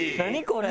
これ。